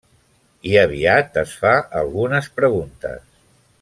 I aviat es fa algunes preguntes.